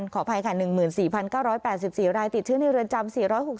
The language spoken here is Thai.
ขออภัยค่ะ๑๔๙๘๔รายติดเชื้อในเรือนจำ๔๖๐